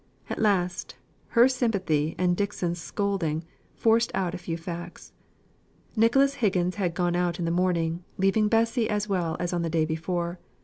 At last, her sympathy, and Dixon's scolding, forced out a few facts. Nicholas Higgins had gone out in the morning, leaving Bessy as well as on the day before.